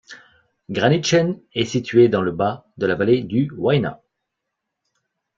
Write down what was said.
Gränichen est situé dans le bas de la vallée du Wyna.